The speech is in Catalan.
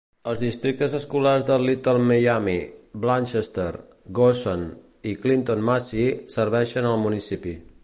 Els districtes escolars de Little Miami, Blanchester, Goshen i Clinton Massie serveixen al municipi.